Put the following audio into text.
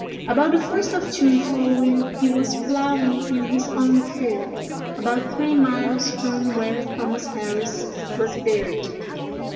"About the first of June following, he was ploughing in his own field, about three miles from where Thomas Harris was buried.